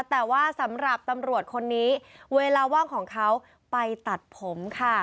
แต่ว่าสำหรับตำรวจคนนี้เวลาว่างของเขาไปตัดผมค่ะ